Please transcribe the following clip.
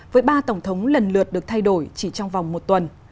với ba tổng thống lần lượt được thay đổi chỉ trong vòng một tuần